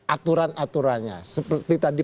aturan aturannya seperti tadi